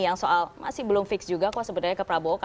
yang soal masih belum fix juga kok sebenarnya ke prabowo